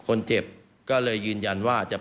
ฟังเสียงอาสามูลละนิทีสยามร่วมใจ